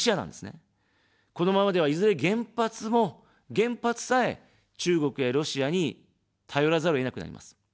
このままでは、いずれ原発も、原発さえ、中国やロシアに頼らざるをえなくなります。